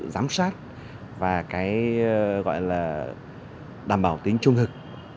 giám sát và cái gọi là đảm bảo tính trung thực